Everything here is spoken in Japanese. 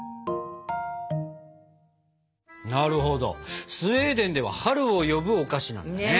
なるほどスウェーデンでは春を呼ぶお菓子なんだね。